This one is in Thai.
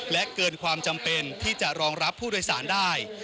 และเกินความจำเป็นที่จะรองรับผู้โดยสารได้